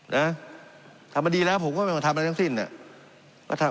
นะทำมาดีแล้วผมก็ไม่มาทำอะไรทั้งสิ้นอ่ะ